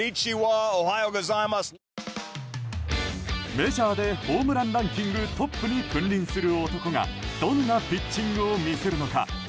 メジャーでホームランランキングトップに君臨する男がどんなピッチングを見せるのか。